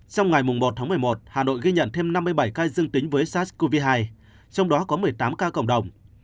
trong ngày một tháng một mươi một hà nội ghi nhận thêm năm mươi bảy ca dương tính với sars cov hai trong đó có một mươi tám ca cộng đồng